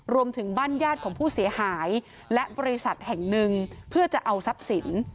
รวมถึงบ้านญาติของผู้เสียหายและบริษัทแห่งหนึ่งเพื่อจะเอาทรัพย์สิน